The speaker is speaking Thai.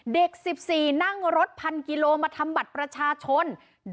เด็ก๑๔นั่งรถพันกิโลมาทำบัตรประชาชน